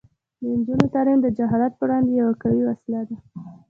د نجونو تعلیم د جهالت پر وړاندې یوه قوي وسله ده.